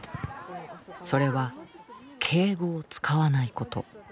それは敬語を使わないこと。